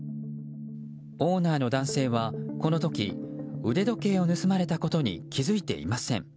オーナーの男性はこの時腕時計を盗まれたことに気づいていません。